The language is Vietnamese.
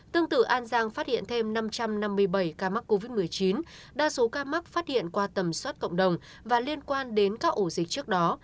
tương tự an giang phát hiện thêm năm trăm năm mươi bảy ca mắc covid một mươi chín đa số ca mắc phát hiện qua tầm soát cộng đồng và liên quan đến các ổ dịch trước đó